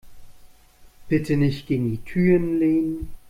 Bitte nicht gegen die Türen lehnen.